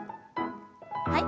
はい。